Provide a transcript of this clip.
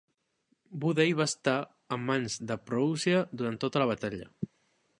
Bothey va estar en mans de Prússia durant tota la batalla.